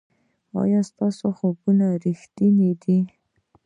ایا ستاسو خوبونه ریښتیني دي؟